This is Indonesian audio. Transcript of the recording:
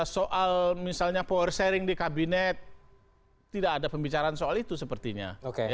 soal misalnya power sharing di kabinet tidak ada pembicaraan soal itu sepertinya